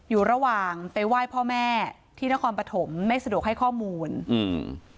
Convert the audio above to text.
อยู่ระหว่างไปไหว้พ่อแม่ที่นครปฐมไม่สะดวกให้ข้อมูลอืม